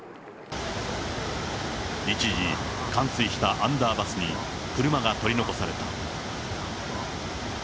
一時、冠水したアンダーパスに車が取り残された。